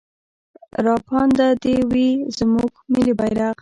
راپانده دې وي زموږ ملي بيرغ.